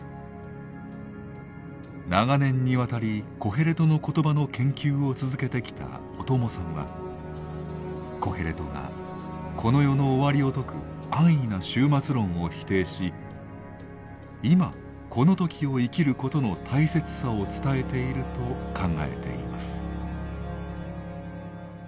長年にわたり「コヘレトの言葉」の研究を続けてきた小友さんはコヘレトがこの世の終わりを説く安易な終末論を否定し「今この時を生きる」ことの大切さを伝えていると考えています。